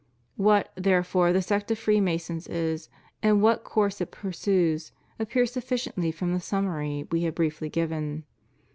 What therefore the sect of the Freemasons is, and what course it pursues, appears sufficiently from the summary We have briefly given.